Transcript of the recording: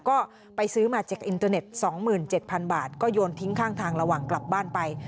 ก็ไปซื้อมาจากอินเตอร์เน็ต๒๗๐๐บาทก็โยนทิ้งข้างทางระหว่างกลับบ้านไป